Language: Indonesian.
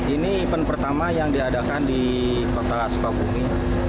ini event pertama yang diadakan di kota sukar bumi